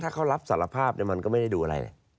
ถ้าเขารับสารภาพมันก็ไม่ได้ดูอะไร